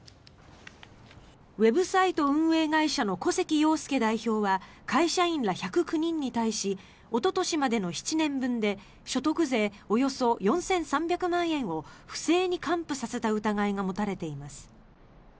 ウェブサイト運営会社の古関陽介代表は会社員ら１０９人に対しおととしまでの７年分で所得税およそ４３００万円を不正に還付させた疑いが持たれています。